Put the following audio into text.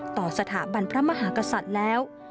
ต่อสถาบันพระมหากษัตริย์แล้ว